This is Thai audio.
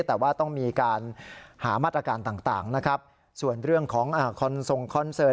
แต่ว่าต้องมีการหามาตรการต่างนะครับส่วนเรื่องของคอนเสิร์ต